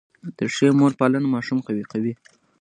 د ښې مور پالنه ماشوم قوي کوي.